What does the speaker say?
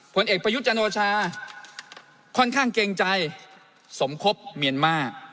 ผลเอกประยุทธ์จันโอชาค่อนข้างเกรงใจสมคบเมียนมาร์